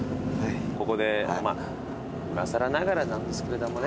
ここでまぁいまさらながらなんですけれどもね。